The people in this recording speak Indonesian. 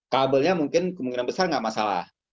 kabelnya mungkin kemungkinan besar nggak masalah